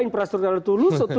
infrastruktur yang turun